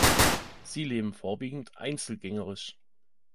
Sie leben vorwiegend einzelgängerisch.